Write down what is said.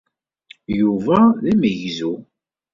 Yuba d amegzu.